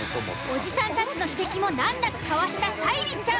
オジさんたちの指摘も難なくかわした沙莉ちゃん。